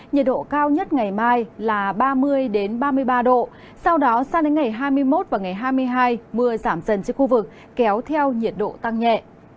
nhiệt độ cao nhất ngày mai là ba mươi ba mươi ba độ sau đó sang đến ngày hai mươi một và ngày hai mươi hai mưa giảm dần trên khu vực kéo theo nhiệt độ tăng nhẹ